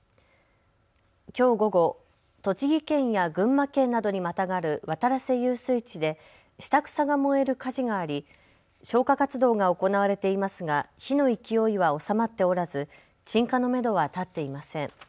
きょう午後、栃木県や群馬県などにまたがる渡良瀬遊水地で、下草が燃える火事があり消火活動が行われていますが火の勢いは収まっておらず鎮火のめどは立っていません。